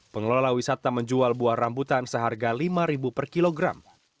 pengelola wisata menjual buah rambutan seharga lima per kilogram